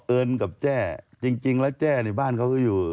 เอิญกับแจ้จริงแล้วแจ้ในบ้านเขาก็อยู่